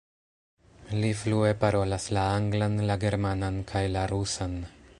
Li flue parolas la anglan, la germanan kaj la rusan.